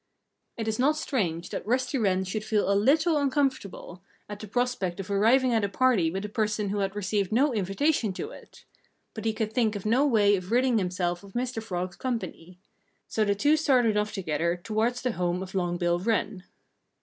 It is not strange that Rusty Wren should feel a little uncomfortable at the prospect of arriving at a party with a person who had received no invitation to it. But he could think of no way of ridding himself of Mr. Frog's company. So the two started off together towards the home of Long Bill Wren.